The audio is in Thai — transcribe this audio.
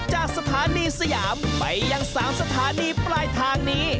จากสถานีสยามไปยัง๓สถานีปลายทางนี้